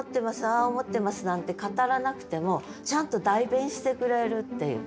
ああ思ってます」なんて語らなくてもちゃんと代弁してくれるっていう。